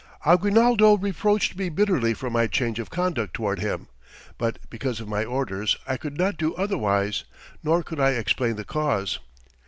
Aguinaldo reproached me bitterly for my change of conduct toward him, but because of my orders I could not do otherwise, nor could I explain the cause.